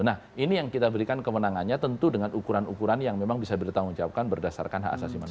nah ini yang kita berikan kewenangannya tentu dengan ukuran ukuran yang memang bisa dipertanggungjawabkan berdasarkan hak asasi manusia